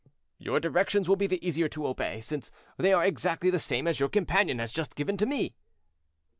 "Your directions will be the easier to obey, since they are exactly the same as your companion has just given to me."